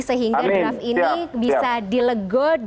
sehingga draft ini bisa dilego